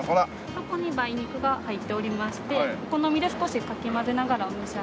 底に梅肉が入っておりましてお好みで少しかき混ぜながらお召し上がり。